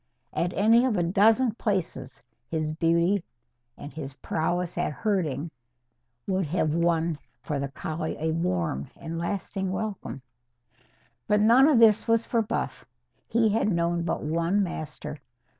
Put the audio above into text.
At any of a dozen places his beauty and his prowess at herding would have won for the collie a warm and lasting welcome. But none of this was for Buff. He had known but one master.